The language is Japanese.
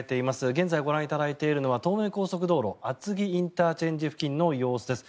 現在ご覧いただいているのは東名高速厚木ＩＣ付近の様子です。